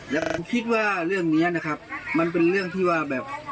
แล้วผมคิดว่าเรื่องนี้นะครับมันเป็นเรื่องที่ว่าแบบ